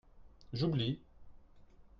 J'oublie.